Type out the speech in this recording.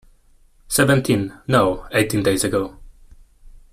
Seventeen, no, eighteen days ago.